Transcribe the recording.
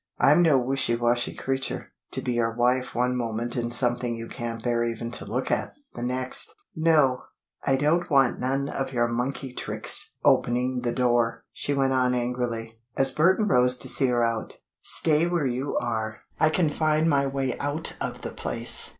I'm no wishy washy creature, to be your wife one moment and something you can't bear even to look at, the next. No, I don't want none of your monkey tricks, opening the door!" she went on angrily, as Burton rose to see her out. "Stay where you are. I can find my way out of the place."